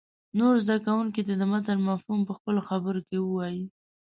نور زده کوونکي دې د متن مفهوم په خپلو خبرو کې ووایي.